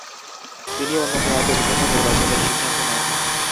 তিনি অন্য মেয়াদের জন্য নির্বাচনের সিদ্ধান্ত নেন।